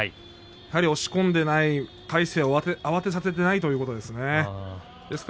押し込んでいない魁聖を慌てさせていないということなんですね。